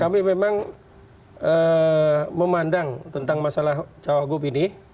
kami memang memandang tentang masalah cawagup ini